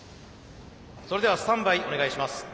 それではスタンバイお願いします。